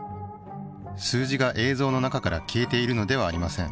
数字が映像の中から消えているのではありません。